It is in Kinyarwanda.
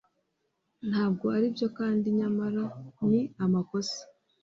Ntabwo aribyo Kandi nyamara ni amakosa